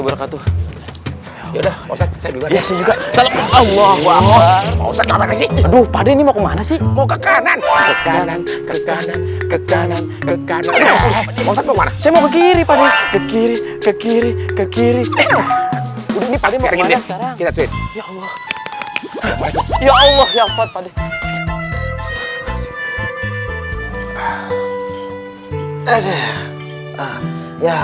ke kanan ke kanan ke kanan ke kanan ke kiri ke kiri ke kiri ke kiri